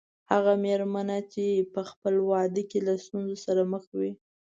هغه مېرمنه چې په خپل واده کې له ستونزو سره مخ وي.